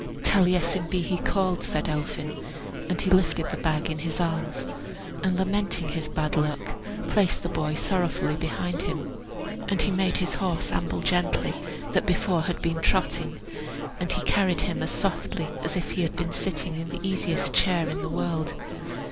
"Taliesin be he called," said Elphin. And he lifted the bag in his arms, and, lamenting his bad luck, placed the boy sorrowfully behind him. And he made his horse amble gently, that before had been trotting, and he carried him as softly as if he had been sitting in the easiest chair in the world.